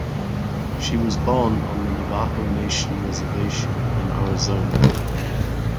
She was born on the Navajo Nation reservation in Arizona.